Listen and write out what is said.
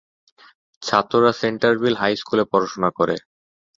ছাত্ররা Centreville high স্কুলে পড়াশুনা করে।